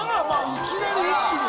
いきなり一気に。